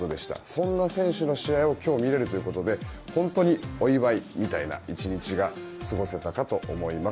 そんな選手の試合を今日は見られるということで本当にお祝いみたいな１日が過ごせたかと思います。